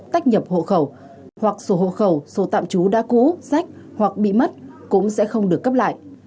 tách nhập hộ khẩu hoặc số hộ khẩu số tạm trú đã cú sách hoặc bị mất cũng sẽ không được cấp lại